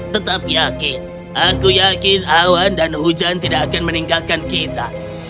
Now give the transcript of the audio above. tetap yakin aku yakin awan dan hujan tidak akan meninggalkan kita